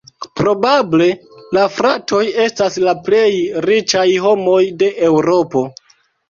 Probable la fratoj estas la plej riĉaj homoj de Eŭropo.